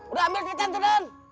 udah ambil keliatan tudan